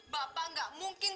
bapak enggak mungkin